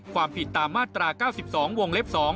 ความผิดตามมาตรา๙๒วงเล็บ๒